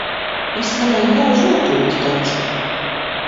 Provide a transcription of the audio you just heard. Izskanēja gauža nopūta taču.